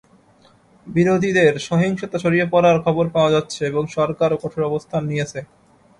বিরোধীদের সহিংসতা ছড়িয়ে পড়ার খবর পাওয়া যাচ্ছে এবং সরকারও কঠোর অবস্থান নিয়েছে।